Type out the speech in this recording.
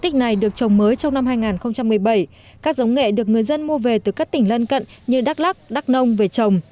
các giống nghệ được người dân mua về từ các tỉnh lân cận như đắk lắc đắk nông về trồng